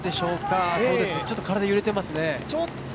ちょっと体が揺れていますね。